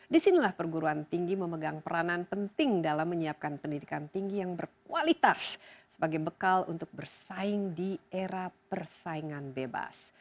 disinilah perguruan tinggi memegang peranan penting dalam menyiapkan pendidikan tinggi yang berkualitas sebagai bekal untuk bersaing di era persaingan bebas